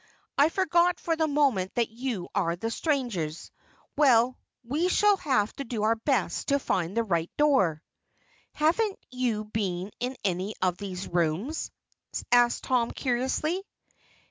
I forgot for the moment that you are the strangers. Well, we shall have to do our best to find the right door." "Haven't you been in any of these rooms?" asked Tom curiously.